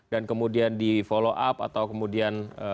dan kemudian di follow up atau kemudian